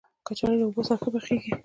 کچالو له اوبو سره ښه پخېږي